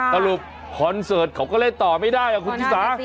ค่ะสรุปคอนเสิร์ตเขาก็เล่นต่อไม่ได้หรอคุณฟิษา